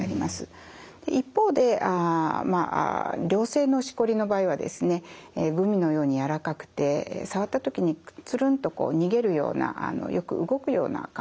一方で良性のしこりの場合はですねグミのようにやわらかくて触った時につるんとこう逃げるようなよく動くような感じになります。